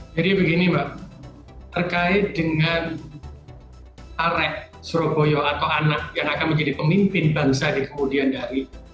begini mbak terkait dengan areh surabaya atau anak yang akan menjadi pemimpin bangsa di kemudian hari